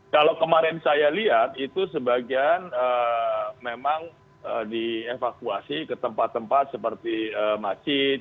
kalau kemarin saya lihat itu sebagian memang dievakuasi ke tempat tempat seperti masjid